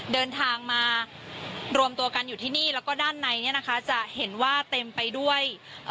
เดินทางมารวมตัวกันอยู่ที่นี่แล้วก็ด้านในเนี้ยนะคะจะเห็นว่าเต็มไปด้วยเอ่อ